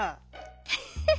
「フフフ！